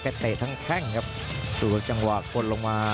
แก่เตะทั้งแค่งครับสู่กับจังหวะกดลงมา